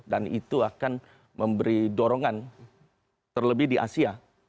dan itu akan memberi dorongan terlebih di asia